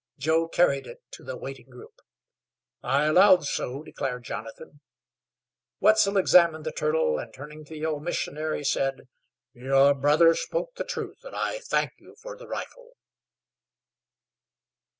Joe carried it to the waiting group. "I allowed so," declared Jonathan. Wetzel examined the turtle, and turning to the old missionary, said: "Your brother spoke the truth, an' I thank you fer the rifle."